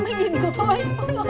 một trăm năm mươi nghìn kiểu thôi